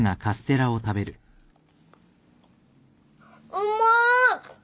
うまい。